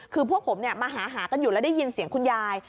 คือพวกผมมาหาหากันอยู่แล้วได้ยินเสียงคุณยาย